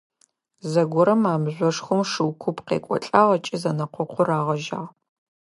Зэгорэм а мыжъошхом шыу куп къекӏолӏагъ ыкӏи зэнэкъокъур рагъэжьагъ.